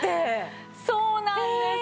そうなんですよ。